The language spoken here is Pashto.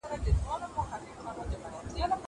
زه به سبا کتابتون ته ځم وم!